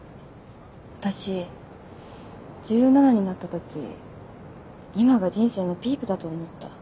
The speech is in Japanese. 私１７になった時今が人生のピークだと思った。